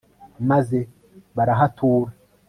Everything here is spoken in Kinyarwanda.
maze barahatura